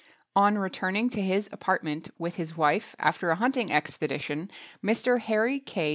On returning to his Apartment with his wife after a hunting expedition Mr. Hairy K.